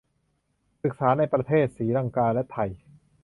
ศึกษาในประเทศศรีลังกาและไทย